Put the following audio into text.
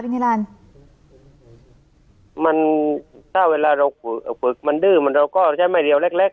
พี่นิราณมันถ้าเวลาเราเอ่อปลือกมันดื้อมันเราก็ใช้ไม่เดียวเล็กเล็ก